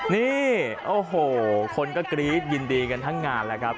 นี่โอ้โหคนก็กรี๊ดยินดีกันทั้งงานแล้วครับ